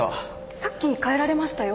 さっき帰られましたよ